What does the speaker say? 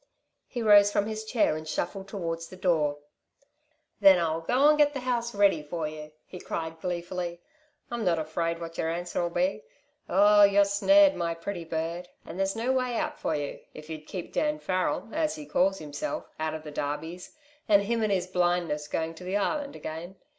He rose from his chair and shuffled towards the door. "Then I'll go and get the house ready for you," he cried, gleefully. "I'm not afraid what y'r answer'll be. Oh, you're snared, my pretty bird, and there's no way out for you, if you'd keep Dan Farrel, as he calls himself, out of the darbies, and him in his blindness, going to the Island again!